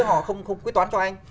họ không quy toán cho anh